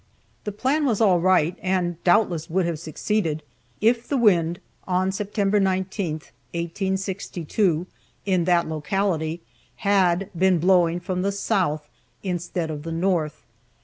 The plan was all right, and doubtless would have succeeded, if the wind, on September 19, 1862, in that locality had been blowing from the south instead of the north.